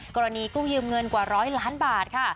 กู้ยืมเงินกว่าร้อยล้านบาทค่ะ